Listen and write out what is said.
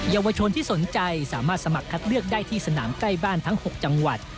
เยาวชนที่สนใจสามารถสมัครคัดเลือกได้ที่สนามใกล้บ้านทั้ง๖จังหวัด